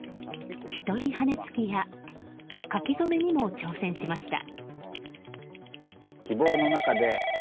１人羽根つきや書き初めにも挑戦しました。